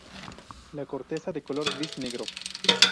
La corteza de color gris negro.